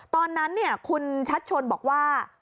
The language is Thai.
ตอนนั้นคุณชัดชนบอกว่า